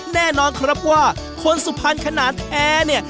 แน่นอนครับว่าคนสุพรรณขนาดแท้เนี่ย